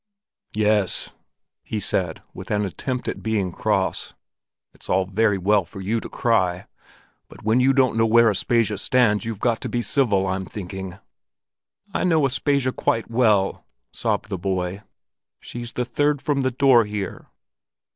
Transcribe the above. "Yes," he said, with an attempt at being cross. "It's all very well for you to cry! But when you don't know where Aspasia stands, you've got to be civil, I'm thinking." "I know Aspasia quite well," sobbed the boy. "She's the third from the door here."